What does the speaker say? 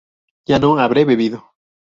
yo no habré bebido